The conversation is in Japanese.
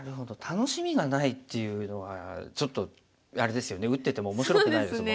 楽しみがないっていうのはちょっとあれですよね打ってても面白くないですもんね。